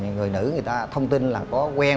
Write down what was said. người nữ người ta thông tin là có quen